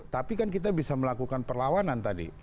tapi kan kita bisa melakukan perlawanan tadi